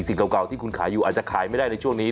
เก่าที่คุณขายอยู่อาจจะขายไม่ได้ในช่วงนี้